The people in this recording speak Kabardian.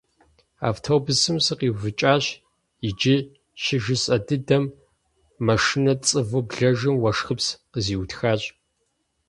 Автобусым сыкъиувыкӏащ иджы щыжысӏэ дыдэм машинэ цӏыву блэжым уэшхыпс къызиутхащ.